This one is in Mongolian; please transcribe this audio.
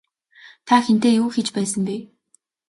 Та хэнтэй юу хийж байсан бэ?